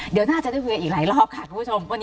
เดียวน่าจะได้คุยอีกหลายละคราบค่ะ